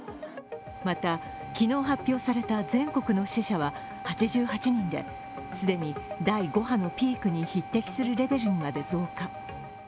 また、昨日発表された全国の死者は８８人で既に第５波のピークに匹敵するレベルにまで増加。